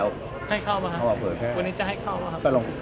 บิดคลับการยกที่ผิดดิฉัน